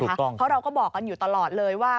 เพราะเราก็บอกกันอยู่ตลอดเลยว่า